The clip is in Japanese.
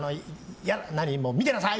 見てなさい！